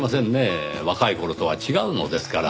若い頃とは違うのですから。